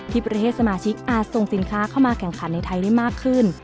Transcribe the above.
ประเทศสมาชิกอาจส่งสินค้าเข้ามาแข่งขันในไทยได้มากขึ้น